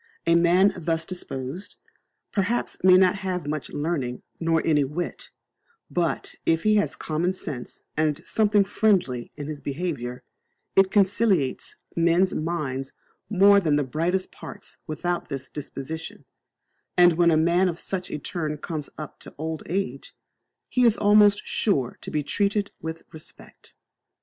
A man thus disposed, perhaps may not have much learning, nor any wit; but if he has common sense and something friendly in his behaviour, it conciliates men's minds more than the brightest parts without this disposition; and when a man of such a turn comes up to old age, he is almost sure to be treated with respect.